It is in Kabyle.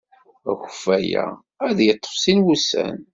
Akeffay-a ad yeḍḍef sin wussan.